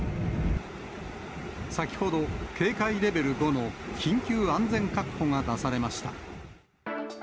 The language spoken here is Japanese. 先ほど、警戒レベル５の緊急安全確保が出されました。